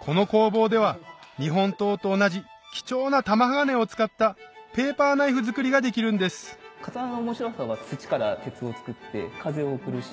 この工房では日本刀と同じ貴重な玉鋼を使ったペーパーナイフ作りができるんですカッコいいなぁ。